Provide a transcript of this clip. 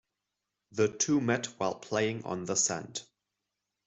The two met while playing on the sand.